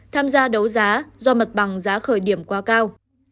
tham gia đấu giá do mặt bằng giá khởi điểm quá cao